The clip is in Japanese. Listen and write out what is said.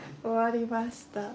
終わりました。